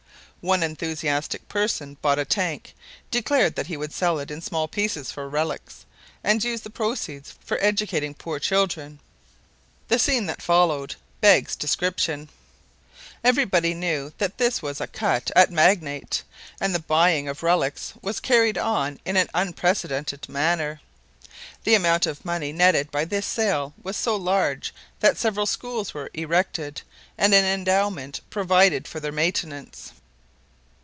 One enthusiastic person bought a tank, declared that he would sell it in small pieces for relics, and use the proceeds for educating poor children. The scene that followed beggars description. Everybody knew that this was a cut at Magnate, and the buying of relics was carried on in an unprecedented manner. The amount of money netted by this sale was so large that several schools were erected and an endowment provided for their maintenance.